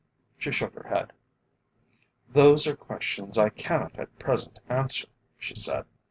She shook her head. "Those are questions I cannot at present answer," she said.